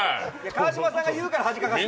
川島さんが言うから恥かかせてる。